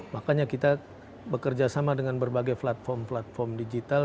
makanya kita bekerja sama dengan berbagai platform platform digital